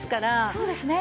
そうですね。